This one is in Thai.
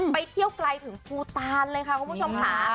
ไปเที่ยวไกลถึงภูตานเลยค่ะคุณผู้ชมค่ะ